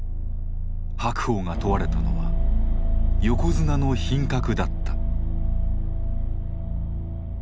白鵬が問われたのは「横綱の品格」だった。